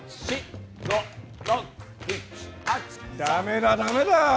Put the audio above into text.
ダメだダメだ。